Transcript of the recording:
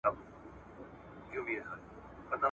پر نړۍ چي هر لوی نوم دی هغه ما دی زېږولی ..